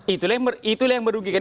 itulah yang merugikan